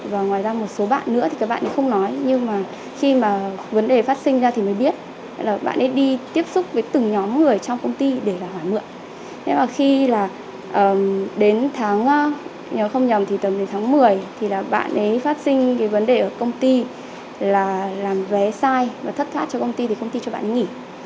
và thất thát cho công ty thì công ty cho bạn ấy nghỉ